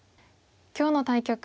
今日の対局